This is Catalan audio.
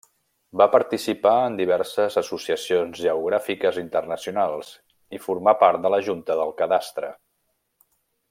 Va participar en diverses associacions geogràfiques internacionals i formà part de la Junta del Cadastre.